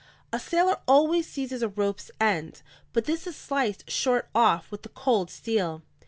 A sailor always seizes a rope's end, but this is sliced short off with the cold steel.